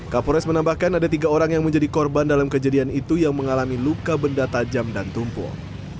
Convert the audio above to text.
kapolres menambahkan ada tiga orang yang menjadi korban dalam kejadian itu yang mengalami luka benda tajam dan tumpul